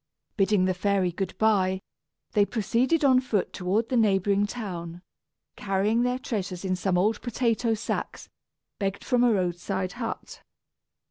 Bidding the fairy good by, they proceeded on foot toward the neighboring town, carrying their treasures in some old potato sacks begged from a roadside hut.